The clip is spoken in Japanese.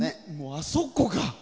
あそこが！